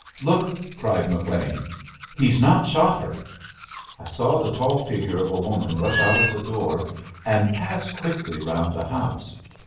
"Look!" cried McLean. "He's not shot her." I saw the tall figure of a woman rush out of the door and pass quickly round the house.